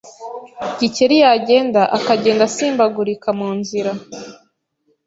Gikeli yagenda akagenda asimbagurika munzira